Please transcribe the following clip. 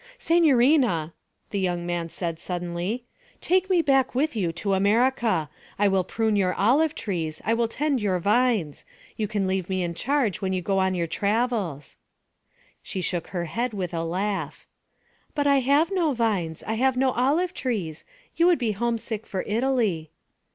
'Signorina,' the young man said suddenly, 'take me with you back to America. I will prune your olive trees, I will tend your vines. You can leave me in charge when you go on your travels.' She shook her head with a laugh. 'But I have no vines; I have no olive trees. You would be homesick for Italy.'